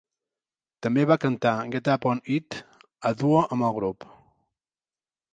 També va cantar "Get Up On It" a duo amb el grup.